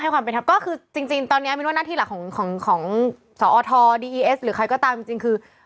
ก็เราก็รู้